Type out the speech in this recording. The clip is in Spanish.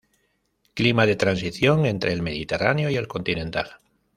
Clima de transición entre el mediterráneo y el continental.